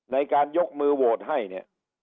ในการยกมือโหวตให้เนี่ย